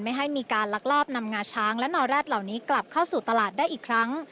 ไม่ให้มีการลักลอบนำงาช้างและนอแร็ดเหล่านี้กลับเข้าสู่ตลาดได้อีกครั้ง